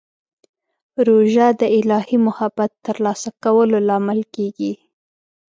روژه د الهي محبت ترلاسه کولو لامل کېږي.